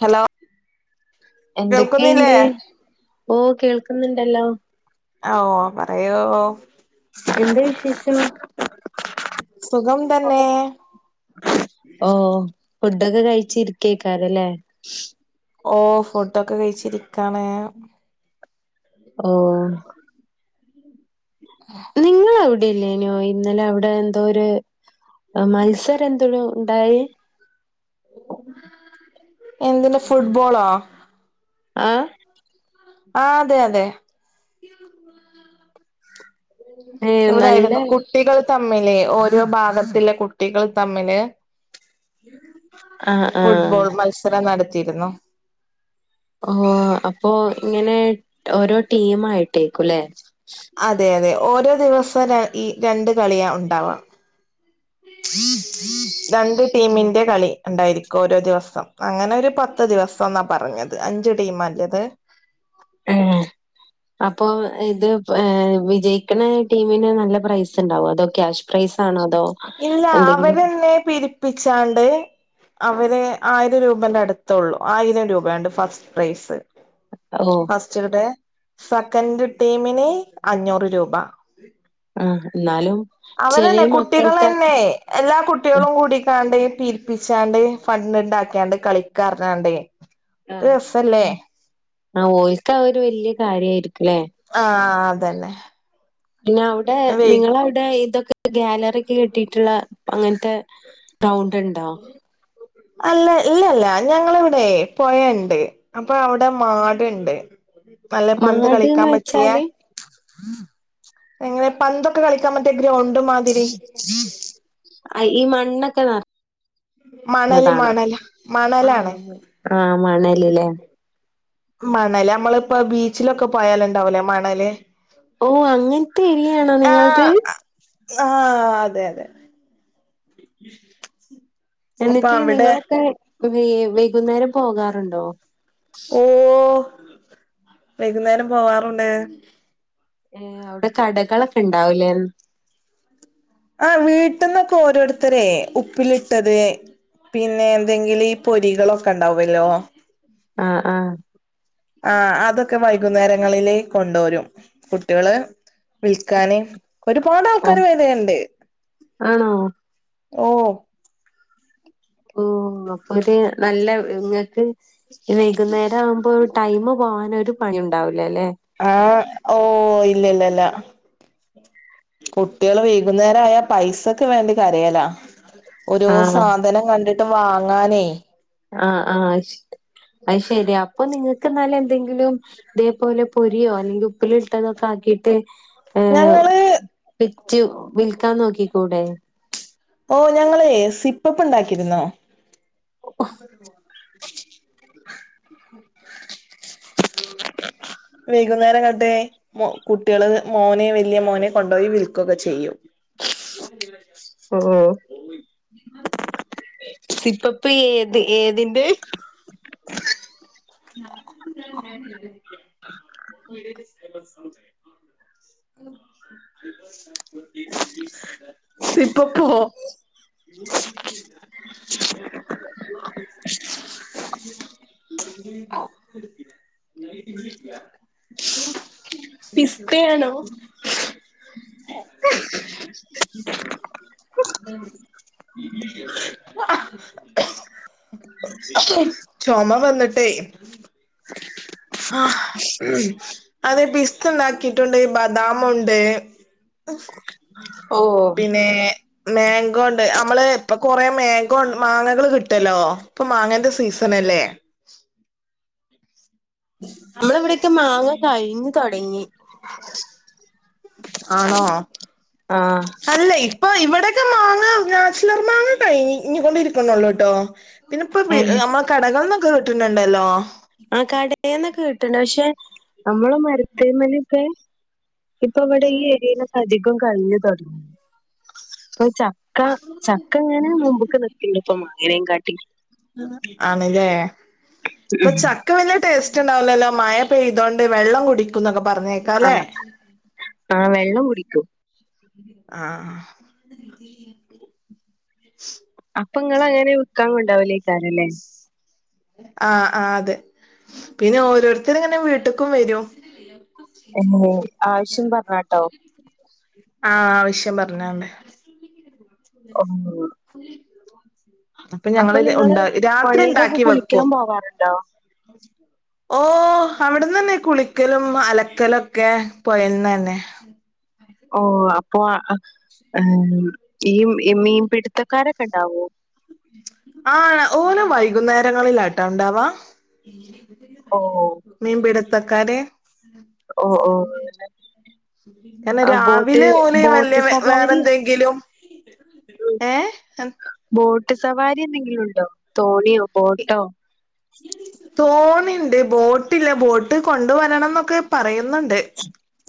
Hello കേൾക്കുന്നില്ലേ എന്തൊക്കെയുണ്ട് ഓ കേൾക്കുന്നുണ്ടല്ലോ അ ഓ പറയോ എന്ത് വിശേഷം? സുഖം തന്നെ ഓ ഫുഡൊക്കെ കഴിച്ചിരിക്കക്കാരല്ലേ ഓ ഫുഡൊക്കെ കഴിച്ചിരിക്കാണ് ഓ നിങ്ങൾ അവിടെല്ലേനോ ഇന്നലെ അവിടെ എന്തോ ഒരു മത്സരം [unintelligible] ഉണ്ടായി എന്തിന്റെ ഫുട്ബോളാ ആഹ ആ അതെ അതെ ഏ നല്ല എവിടായിരുന്നു കു കുട്ടികൾ തമ്മില് ഓരോ ഭാഗത്തിലെ കുട്ടികൾ തമ്മില് ആ ആ ഫുട്ബോൾ മത്സരം നടത്തിയിരുന്നു ഓ അപ്പോ ഇങ്ങനെ ഓരോ ടീം ആയിട്ടേക്കുംല്ലേ അതെ അതെ ഓരോ ദിവസം ഈ രണ്ട് കളിയ ഉണ്ടാവാം രണ്ട് ഉം ടീമിൻ്റെ കളി ഉണ്ടായിരിക്കും ഓരോ ദിവസം അങ്ങനെ ഒരു പത്ത് ദിവസം എന്നാ പറഞ്ഞത് അഞ്ച് ടീംമാറ്റത് ഉം അപ്പോ ഇത് ഏ വിജയിക്കണ ടീമിന് നല്ല പ്രൈസ് ഉണ്ടാവോ അതോ ക്യാഷ് പ്രൈസാണോ ഇല്ല അവരെന്നെ പിരിപ്പിച്ചാണ്ട് അവരെ ആയിരം രൂപന്റെ അടുത്തേ ഉള്ളു ആയിരം രൂപയുണ്ട് ഫസ്റ്റ് പ്രൈസ് ഓ ഫസ്റ്റ് ഡ സെക്കൻഡ് ടീമിന് അഞ്ഞൂറ് രൂപ ആഹ് എന്നാലും ചെറിയ അവരന്നെ മക്കൾക്ക് കുട്ടികളന്നെ എല്ലാ കുട്ടികളും കൂടിക്കാണ്ട പീരിപ്പിച്ചാണ്ട് ഫണ്ട് ഉണ്ടാക്കാണ്ട് കളിക്കറഞ്ഞാണ്ടെ ആ ആ ഓൽക്ക് അത് ഒരു വല്യ കാര്യായിരിക്കുംല്ലേ ആഹ അതന്നെ പിന്നെ അവിടെ വെയ് നിങ്ങളവിടെ ഇതൊക്കെ ഗാലറി കെട്ടിയിട്ടുള്ള അങ്ങനത്തെ ഗ്രൗണ്ട് ഉണ്ടോ അല്ല ഇല്ലല്ല ഞങ്ങള ഇവിടെ പൊയണ്ട് അപ്പൊ അവിടെ മാടുണ്ട് നല്ല പന്ത് മാട്ന്ന് കളിക്കാൻ പറ്റിയ വെച്ചാല് എങ്ങനെ പന്തൊക്കെ കളിക്കാൻ പറ്റിയ ഗ്രൗണ്ട് മാതി ഈ മണ്ണൊക്കെ നറ മണല് താണോ മണല് മണലാണ് ആ മണലില്ലേ മണല് നമ്മളിപ്പോ ബീച്ചിലൊക്കെ പോയാലണ്ടാവല്ലേ മണല് ഓ അങ്ങനത്തെ ഏരിയാണോ നിങ്ങളത് ആഹ ആഹ അതെ അതെ അപ്പൊ എന്നിട്ട് അവിടെ നിങ്ങളൊക്കെ വ വൈകുന്നേരം പോകാറുണ്ടോ ഓ വൈകുന്നേരം പോവാറുണ്ട് ആഅവിടെ കടകളൊക്കെ ഉണ്ടാവൂലേ ആ വീട്ടിന്നൊക്കെ ഓരോരുത്തര ഉപ്പിലിട്ടത് പിന്നെ എന്തെങ്കിലും ഈ പൊരികളൊക്കെ ഉണ്ടാവല്ലോ ആ ആ ആ അതൊക്കെ വൈകുന്നേരങ്ങളില് കൊണ്ടുവരും കുട്ടികള് വിൽക്കാന് ഒരുപാട് ആൾക്കാര് ആഹ് വരണ്ട് ആണോ ഓ ഓ അപ്പൊര് നല്ല ഇങ്ങക്ക് വൈകുന്നേരം ആവുമ്പോ ടൈമ് പോകാൻ ഒരു പണിയും ഉണ്ടാവൂല്ലല്ലേ ആഹ് ഓഹ് ഇല്ലില്ലില്ല കുട്ടികൾ വൈകുന്നേരായാ പൈസക്ക് വേണ്ടി കരയല ഓരോ ആഹ് സാധനം കണ്ടിട്ട് വാങ്ങാനേ ആഹ് ആഹ് അയ്ശ് അയ് ശരി അപ്പൊ നിങ്ങൾക്ക് എന്നാൽ എന്തെങ്കിലും ഇതേപോലെ പൊരിയോ അല്ലെങ്കിൽ ഉപ്പിലിട്ടതൊക്കെ ആക്കിയിട്ട് ഞങ്ങള് വിറ്റു വിൽക്കാൻ നോക്കികൂടെ ഓഹ് ഞങ്ങളെ സിപ്പപ്പ് ഉണ്ടാക്കിരുന്നു വൈകുന്നേരം ന്നട്ടെ കുട്ടികൾ മോനെ വല്യാ മോനെ കൊണ്ടോയി വിൽകൊക്കെ ചെയ്യും ഓഹ് [unintelligible] സിപ്പപ്പ് ഏത് ഏതിന്റെ [unintelligible] [inaudible] സിപ്പപ്പോ [inaudible] [unintelligible] നൈറ്റ് വീട്ടില്ല പിസ്തയാണോ [inaudible] [inaudible] [unintelligible] ചൊമ വന്നിട്ടേ ആഹ് [inaudible] അത് പിസ്ത ഇണ്ടാക്കിയിട്ടുണ്ട് ബദാമുണ്ട് ഓഹ് പിന്നെ മാംഗോ ഇണ്ട് അമ്മള് ഇപ്പൊ കൊറേ മാംഗോ മാങ്ങകൾ കിട്ടോല്ലോ ഇപ്പൊ മാങ്ങന്റെ സീസൺ അല്ലേ നമ്മളെവിടെക്കെ മാങ്ങ കഴിഞ്ഞ് തൊടങ്ങി ആണോ അല്ല ഇപ്പൊ ഇവിടെക്കെ മാങ്ങ നാച്ചുറർ മാങ്ങ കഴിഞ്ഞ് ഇനി [unintelligible] ഇരിപ്പുള്ളു കേട്ടോ പിന്നിപ്പ വീ ഏഹ് നമ്മൾ കടകളക്കെ കിട്ടൺണ്ടല്ലോ ആഹ് കടേന്നൊക്കെ കിട്ടണ്ട് പക്ഷെ നമ്മള് മരത്തേമേലൊക്കെ ഇപ്പ അവിടെ ഈ ഏരിയിലൊക്കെ അധികം കഴിഞ്ഞ് തൊടങ്ങി ഇപ്പൊ ച ക്ക ചക്ക ഇങ്ങനെ മുമ്പൊക്ക നിക്കിണ്ട് ഇപ്പൊ മാങ്ങേനെം കാട്ടി ആണല്ലേ ഇപ്പ ച ക്ക വല്യാ ടേസ്റ്റ് ഉണ്ടാവില്ലല്ലോ മഴ പെയ്തൊണ്ട് വെള്ളം കുടി ക്കുന്നൊക്കെ ആ പറഞ്ഞേക്കാല്ലേ ആ വെള്ളം കുടിക്കും ആഹ് അപ്പൊ ഇങ്ങള് അങ്ങനെ വിക്കാൻ കൊണ്ടോവലകാരം ല്ലെ ആഹ് ആഹ് അതെ പിന്നെ ഓരോരുത്തരിങ്ങനെ വീട്ടക്കും വരും ഉം ആവശ്യം പറഞ്ഞാട്ടോ ആഹ് ആവശ്യം പറഞ്ഞാണ്ട് ഓഹ് അപ്പം ഞങ്ങൾ നിങ്ങള് ഒണ്ടാ രാത്രി പുഴയിലൊക്കെ ഒണ്ടാക്കി വയ്ക്കും കുളിക്കാൻ പോവാറുണ്ടോ ഓഹ് അവിടുന്ന് തന്നെ കുളിക്കലും അലക്കലൊക്കെ പോയന്ന്ന്നെ ഓഹ് അപ്പൊ മ് ഈ മീൻ പിടുത്തക്കാരൊക്കെ ഇണ്ടാവോ ആഹ് ഓല് വൈകുന്നേരങ്ങളിലാട്ടാ ഇണ്ടാവാ ഓഹ് മീൻ പിടുത്തക്കാര് ഓ ഓഹ് ഇങ്ങനെ രാവിലെ ഓലെ ബോട്ട് വല്യ വേറെ സവാരി എന്തെങ്കിലും ഉം, ഏ എ ബോട്ട് സവാരി എന്തെങ്കിലും ഉണ്ടോ തോണിയോ ബോട്ടോ തോണിണ്ട് ബോട്ട്ഇല്ല ബോട്ട് കൊണ്ട് വരണംന്നൊക്കെ പറയുന്നുണ്ട്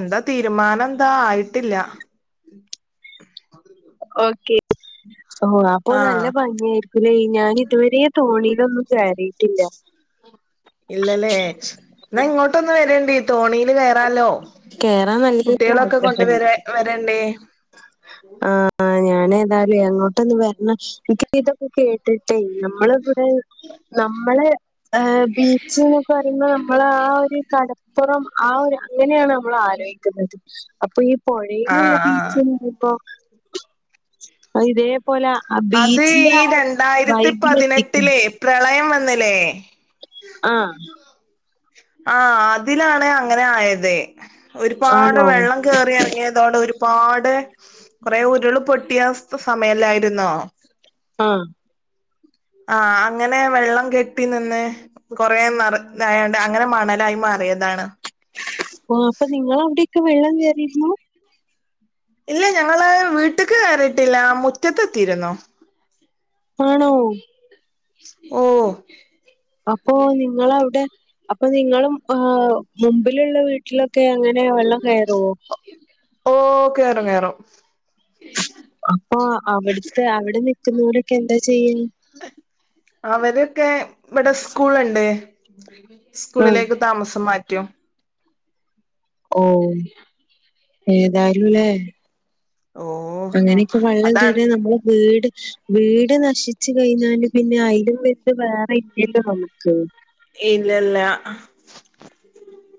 എന്താ തീരുമാനം എന്താ ആയിട്ടില്ല ഓക്കെ ഓ അപ്പൊ നല്ല ആഹ് ഭംഗിയായിരിക്കും ല്ലെ ഞാൻ ഇതുവരെയ തോണിയിലൊന്നും കയറിയിട്ടില്ല ഇല്ലല്ലേ എന്നാ ഇങ്ങോട്ടൊന്ന് വരേണ്ടി തോണില് കയറാലോ കേറാൻ നല്ലൊരു കുട്ടികളൊക്കെ കൊണ്ട് വര ആഗ്രഹമുണ്ട് വരണ്ടീ അ ആ [unintelligible] ഞാൻ ഏതായാലും അങ്ങോട്ടൊന്ന് വരണ എനിക്ക് ഇതൊക്കെ കേട്ടിട്ടേ ഞമ്മള നമ്മള് ബീച്ച് എന്നൊക്കെ പറയുമ്പോ നമ്മള ആ ഒരു കട പ്പുറം ആ ഒരു അങ്ങനെയാണ് നമ്മൾ ആലോചിക്കുന്നത് അപ്പൊ ഈ പുഴയിലുള്ള ആഹ് ആഹ് ബീച്ച്ന്ന് ഇപ്പോ അഅ് ഇതേ പോലെ അത് ഈ രണ്ടായിരത്തി പതിനെട്ടിലെ പ്രളയം വന്ന്ല്ലേ ആഹ് ആഹ് അതിലാണ് അങ്ങനെ ആയത് ഒരുപാട് ആണോ വെള്ളം കയറി ഇറങ്ങിയതോണ്ട് ഒരുപാട് കുറേ വീട് കള് പൊട്ടിയ സമയല്ലായിരുന്നോ ആഹ് ആഹ് അങ്ങനെ വെള്ളം കെട്ടി നിന്ന് കൊറെ മറി തയാ ണ്ട് അങ്ങനെ മണലായി മാറിയതാണ് ഓ അപ്പൊ നിങ്ങ അവിടെയൊക്കെ വെള്ളം കയറിയിരുന്നു ഇല്ല ഞങ്ങള് വീട്ടക്ക് കയറിയിട്ടില്ല മുറ്റത്തെത്തിയിരുന്നു ആണോ ഓഹ് അപ്പൊ നിങ്ങളവിടെ അപ്പൊ നിങ്ങളും മുമ്പിലുള്ള വീ ട്ടിലൊക്കെ അങ്ങനെ വെള്ളം കയറുവോ ഓഹ് കേറും കേറും അപ്പൊ അവിടുത്തെ അവിടെ നിക്കുന്നവരൊക്കെ എന്താ ചെയ്യും അവരൊക്കെ ഇവിടെ സ്കൂൾണ്ട് ആഹ് സ്കൂളിലേക്ക് താമസം മാറ്റും ഓഹ് ഏതായാലുംല്ലേ ഓഹ് അങ്ങനെയൊക്കെ വള്ളം കയറിയ നമ്മള് വീട് വീട് നശിച്ചു കഴിഞ്ഞാല് പിന്നെ അയിലും വലുത് വേറെ ഇല്ലല്ലോ നമുക്ക് ഇല്ലല്ല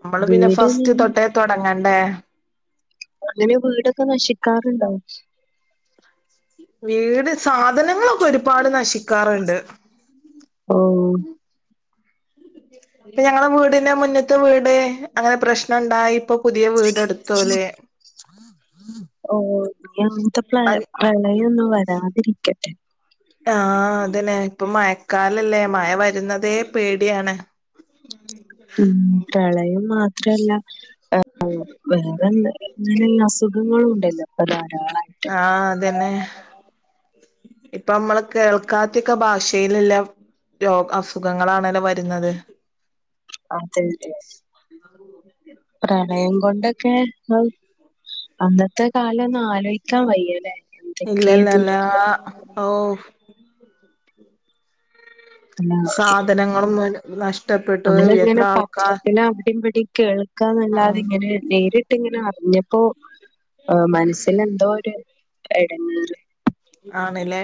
നമ്മള് പിന്നെ വീട് നി- ഫസ്റ്റ് തൊട്ടേ തുടങ്ങണ്ടേ അങ്ങനെ വീടൊക്കെ നശിക്കാറുണ്ടാ വീട് സാധനങ്ങളൊക്കെ ഒരുപാട് നശിക്കാറുണ്ട് ഓഹ് ഇപ്പൊ ഞങ്ങള വീടിന്റെ മുന്നത്ത് വീട് അങ്ങനെ പ്രശ്നുണ്ടായി ഇപ്പൊ പുതിയ വീടെടുത്തോല് ഓ എന്ത് പ്രളയൊന്നും വരാതിരിക്കട്ടെ ആഹ് അതന്നെ ഇപ്പൊ മഴക്കാലല്ലേ മഴ വരുന്നതേ പേടിയാണ് ഉം പ്രളയം മാത്രല്ല ആ വേറെ ഇങ്ങന അസുഖങ്ങളും ഉണ്ടല്ലോ ഇപ്പൊ ധാരാളമായിട്ട ആഹ് അതെന്നെ ഇപ്പ അമ്മള് കേൾക്കാത്തിയൊക്കെ ഭാഷയില്ല്ല രോ അസുഖങ്ങളാണലൊ വര്ന്നത്. അതെൻന്താ. [unintelligible] പ്രണയം കൊണ്ടൊക്കെ. അഹ് അന്നത്തെ കാലോന്ന് ആലോയിക്കാൻ വയ്യലെ. ഇല്ലല്ലല്ലാ ഔ സാധനങ്ങളും നഷ്ടപ്പെട്ടു നമ്മള് ഇങ്ങനെ എത്ര ആൾക്കാർ പത്രത്തില് അവിടിം ഇവടിം. കേൾക്കാന്നല്ലാതെ ഉം ഇങ്ങനെ നേരിട്ട് ഇങ്ങനെ അർഞ്ഞപ്പോ. ആഹ് മൻസ്സിന് എന്തോ ഒരു എടങ്ങേറ് ആണ്ലേ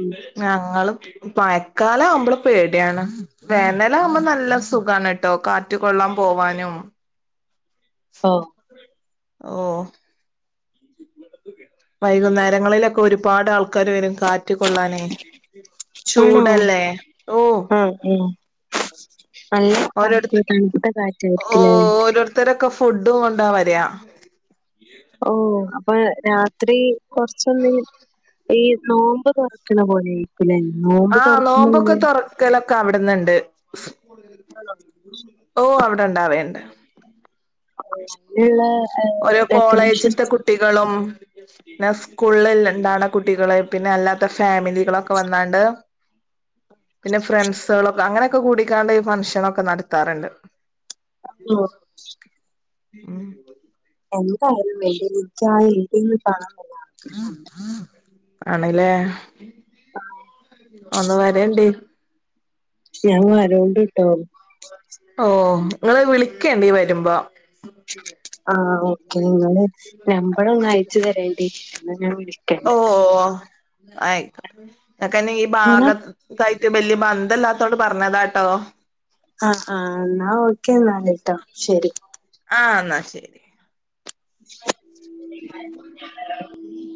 ഉം. ഞങ്ങളും പയക്കാലാവുമ്പള് പേടിയാണ്. വേനലാവുമ്പം നല്ല സുഖാണ്. ട്ടോ കാറ്റ് കൊള്ളാം പോവാനും. ഓഹ് ഓഹ് വൈകുന്നേരങ്ങളിലൊക്കെ ഒരുപാട് ആൾക്കാര് വെരും കാ റ്റ് കൊള്ളാനേ ആണോ ചൂടല്ലേ ഓഹ് ആ ആ നല്ല കാറ്റ് ഓരോരുത്ത തണുത്ത കാറ്റായിരിക്കുലെ. ഇത്തരൊക്കെ ഫുഡും കൊണ്ടാ വരാ. ഓഹ് അപ്പ രാത്രി കൊർച്ചൊന്ന് ഈ നോമ്പ് തൊർക്ക്ണ പോലായിരിക്കുലെ. നോമ്പ് തുറക്ക്ണേല്. ക്കലൊക്കെ അവിട്ന്ന്ണ്ട്. ഹലോ ഓഹ് അവ്ടെ ഇണ്ടാവേണ്ട്. ആ [unintelligible] ഓരോ കോളേജ്ത്തെ കു ട്ടികളും പിന്നെ സ്കൂള്ണ്ടാവ്ണ കുട്ടികള് പിന്നെ അല്ലാത്ത ഫാമിലികളൊ ക്കെ വന്നാണ്ട് പിന്നെ ഫ്രണ്ട്സേളൊക്കെ അങ്ങനൊക്കെ കൂടിക്കാണ്ട് ഈ ഫംഗ്ഷനൊക്കെ നടത്താറ്ണ്ട്. ഓ ഉം എന്തായാലും വേണ്ടില. ഇൻക്കാ ഇടിന്ന് കാണാം വയ്യാ നല്ല ആണ്ലേ. ഒന്ന് വരെണ്ടി. ഞാം വരോണ്ട്ട്ടോ. ഓഹ് ഇങ്ങള് വിളിക്കെണ്ടി വരുമ്പൊ. ആഹ് ഓക്കെ. ഇങ്ങള് നമ്പറൊന്ന് അയച്ചു തരേണ്ടി. ഇന്നാ ഞാൻ വിളി ഓഹ്. ആയിക്കാ ഇങ്ങക്കന്നെ ഈ ബാഗ എന്നാ ത്ത്ക്കായിട്ട് ബല്ല്യ ബന്തല്ലാത്തോട് പറഞ്ഞതാട്ടൊ. ആഹ് ആഹ്. ഇന്നാ ഓക്കെ ഇന്നല്ട്ടൊ ശെരി. ആഹ് ഇന്നാ ശെരി. ആ [inaudible]